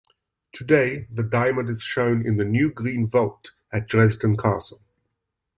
Today, the diamond is shown in the "New Green Vault" at Dresden Castle.